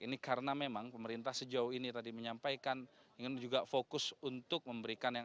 ini karena memang pemerintah sejauh ini tadi menyampaikan ingin juga fokus untuk memberikan yang